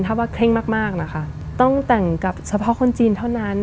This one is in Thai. ถ้าว่าเคร่งมากนะคะต้องแต่งกับเฉพาะคนจีนเท่านั้น